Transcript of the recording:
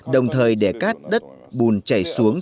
đồng thời để cát đất bùn chảy xuống